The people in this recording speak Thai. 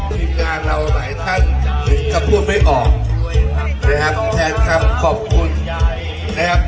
ทีมงานเราหลายท่านถึงจะพูดไม่ออกนะครับแทนคำขอบคุณนะครับ